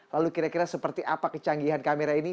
lalu kira kira seperti apa kecanggihan kamera ini